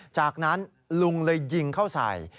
จากนั้นลุงเลยยิงเข้าใส่